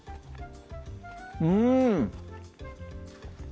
うん！